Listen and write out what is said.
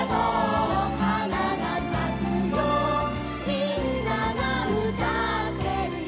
「みんながうたってるよ」